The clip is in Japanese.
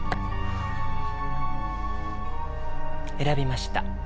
選びました。